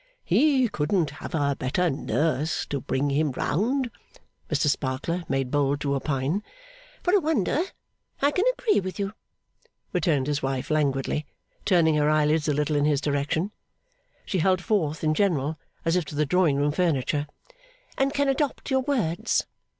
'He couldn't have a better nurse to bring him round,' Mr Sparkler made bold to opine. 'For a wonder, I can agree with you,' returned his wife, languidly turning her eyelids a little in his direction (she held forth, in general, as if to the drawing room furniture), 'and can adopt your words.